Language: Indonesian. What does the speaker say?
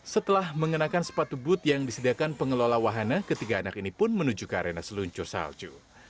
setelah mengenakan sepatu booth yang disediakan pengelola wahana ketiga anak ini pun menuju ke arena seluncur salju